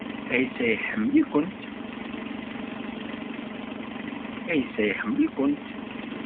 Ɛisa iḥemmel-ikent.